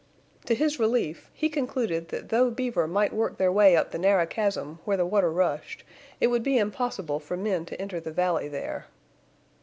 To his relief he concluded that though beaver might work their way up the narrow chasm where the water rushed, it would be impossible for men to enter the valley there.